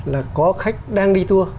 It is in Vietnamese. là có khách đang đi tua